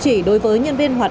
có chỉ dẫn